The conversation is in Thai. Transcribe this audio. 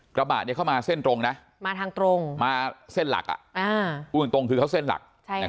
กระบาดเขามาแทร่งมาเส้นตรงเอาอุ่นตรงที่เขาเส้นหลัก